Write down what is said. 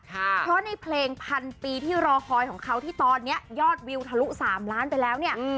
เพราะในเพลงพันปีที่รอคอยของเขาที่ตอนนี้ยอดวิวทะลุ๓ล้านไปแล้วเนี่ย